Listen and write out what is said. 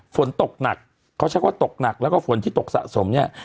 ฝนตกหนักเขาใช้คำว่าตกหนักแล้วก็ฝนที่ตกสะสมเนี่ย